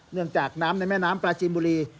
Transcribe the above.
เนื่องจากน้ำในแม่น้ำปลาจินบุรี